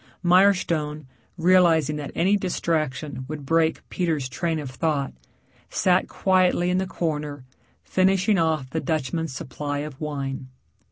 Mirestone, realizing that any distraction would break Peter's train of thought, sat quietly in the corner finishing off the Dutchman's supply of wine.